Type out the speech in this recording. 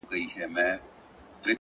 مار هغه دم وو پر پښه باندي چیچلى،